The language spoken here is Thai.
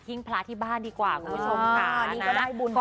ทิ้งพระที่บ้านดีกว่าคุณผู้ชมค่ะ